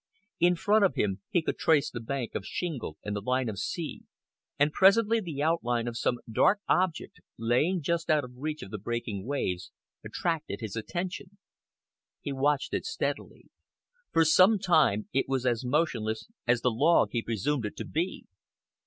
In front of him he could trace the bank of shingle and the line of the sea, and presently the outline of some dark object, lying just out of reach of the breaking waves, attracted his attention. He watched it steadily. For some time it was as motionless as the log he presumed it to be.